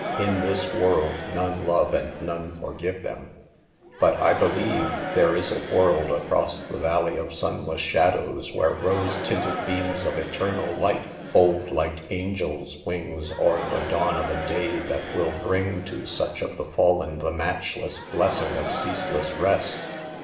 In this world, none love and none forgive them ; but I believe there is a world, across the valley of sunless shadows, where rose tinted beams of eternal light fold like angel's wings o'er the dawn of a day that will bring to such of the fallen the matchless blessing of ceaseless rest."